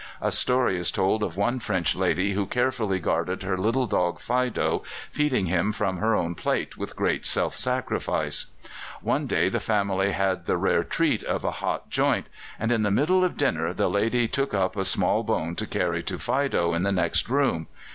A story is told of one French lady who carefully guarded her little dog Fido, feeding him from her own plate with great self sacrifice. One day the family had the rare treat of a hot joint, and in the middle of dinner the lady took up a small bone to carry to Fido in the next room.